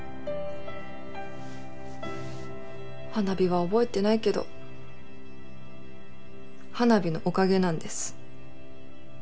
花火は覚えてないけど花火のおかげなんです。